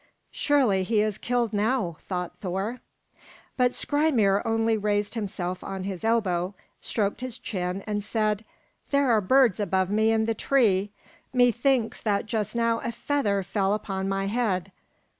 "Surely, he is killed now," thought Thor. But Skrymir only raised himself on his elbow, stroked his chin, and said, "There are birds above me in the tree. Methinks that just now a feather fell upon my head.